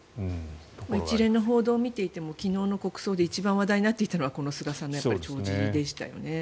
一連の報道を見ていても昨日の国葬で一番話題になっていたのはこの菅さんの弔辞でしたよね。